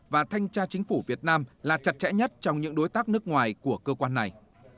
và thanh tra chính phủ việt nam là chặt chẽ nhất trong những đối tác nước ngoài của cơ quan này